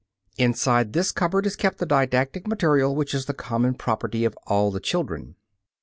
Inside this cupboard is kept the didactic material which is the common property of all the children.